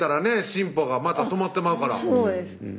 進歩がまた止まってまうからそうです